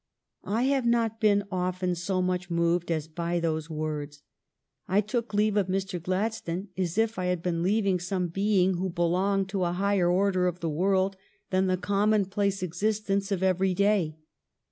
I have not been often so much moved as by those words. I took leave of Mr. Gladstone as if I had been leaving some being who belonged to a higher order of the world than the commonplace existence of every day.